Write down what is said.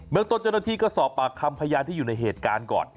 เมืองต้นเจ้าหน้าที่ก็สอบปากคำพยานที่อยู่ในเหตุการณ์ก่อน